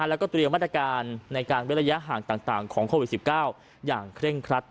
แล้วก็เตรียมมาตรการในการเว้นระยะห่างต่างของโควิด๑๙อย่างเคร่งครัด